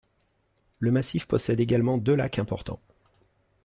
Le massif possède également deux lacs importants.